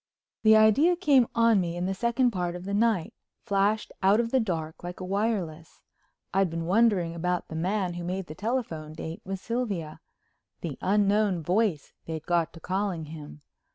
The idea came on me in the second part of the night, flashed out of the dark like a wireless. I'd been wondering about the man who made the telephone date with Sylvia—the Unknown Voice they'd got to calling him.